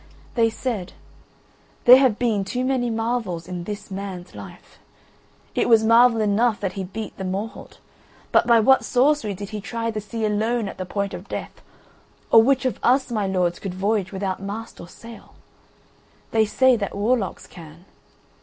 They said: "There have been too many marvels in this man's life. It was marvel enough that he beat the Morholt, but by what sorcery did he try the sea alone at the point of death, or which of us, my lords, could voyage without mast or sail? They say that warlocks can.